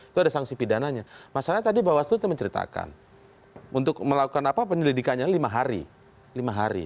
itu ada sanksi pidananya masalahnya tadi bawaslu itu menceritakan untuk melakukan apa penyelidikannya lima hari lima hari